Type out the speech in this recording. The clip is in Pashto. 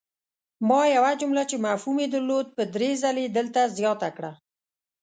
ما یوه جمله چې مفهوم ېې درلود په دري ځلې دلته زیاته کړه!